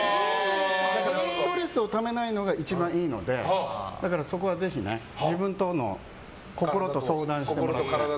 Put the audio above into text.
ストレスをためないのが一番いいのでそこはぜひ自分の心と相談してもらって。